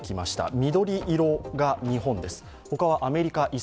緑色が日本です。